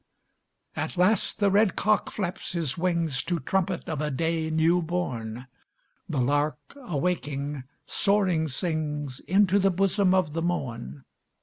At last the red cock flaps his wings To trumpet of a day new born. The lark, awaking, soaring sings Into the bosom of the morn.